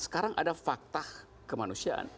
sekarang ada fakta kemanusiaan